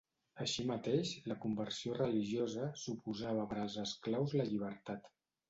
Així mateix, la conversió religiosa suposava per als esclaus la llibertat.